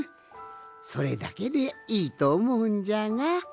それだけでいいとおもうんじゃがどうかの？